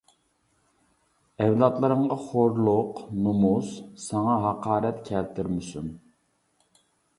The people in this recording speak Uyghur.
ئەۋلادلىرىڭغا خورلۇق، نومۇس، ساڭا ھاقارەت كەلتۈرمىسۇن.